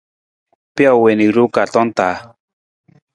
Pijo wii na i ruwee kaartong taa.